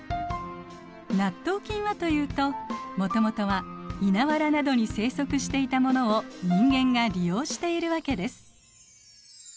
納豆菌はというともともとは稲わらなどに生息していたものを人間が利用しているわけです。